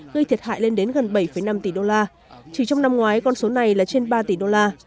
gây thiệt hại lên đến gần bảy năm tỷ đô la chỉ trong năm ngoái con số này là trên ba tỷ đô la